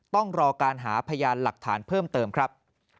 ต้องรอการหาพยานหลักฐานเพิ่มเติมครับ